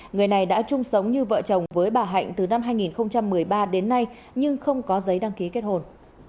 người này đã chung sống như vợ chồng với bà hạnh từ năm hai nghìn một mươi ba đến nay nhưng không có giấy đăng ký kết hồn